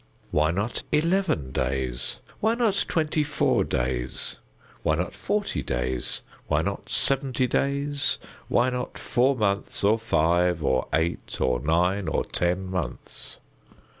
Why not eleven days? Why not twenty four days? Why not forty days? Why not seventy days? Why not four months or five, or eight or nine or ten months?